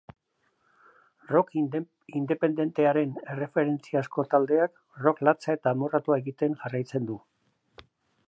Rock independentearen erreferentziazko taldeak rock latz eta amorratua egiten jarraitzen du.